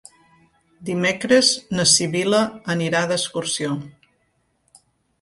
Dimecres na Sibil·la anirà d'excursió.